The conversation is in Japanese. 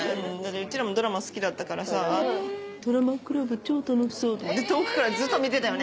うちらもドラマ好きだったからさ「ドラマクラブ超楽しそう」って遠くからずっと見てたよね。